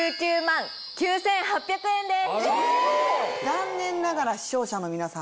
残念ながら視聴者の皆さん